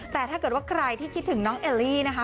แต่ถ้าเกิดว่าใครที่คิดถึงน้องเอลลี่นะคะ